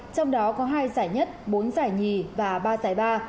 trong đó có hai giải nhất bốn giải nhì và ba giải ba